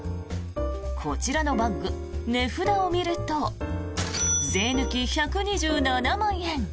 こちらのバッグ値札を見ると税抜き１２７万円。